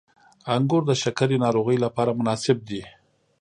• انګور د شکرې ناروغۍ لپاره مناسب دي.